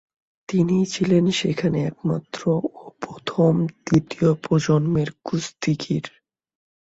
তিনিই ছিলেন সেখানে একমাত্র ও প্রথম তৃতীয় প্রজন্মের কুস্তিগির।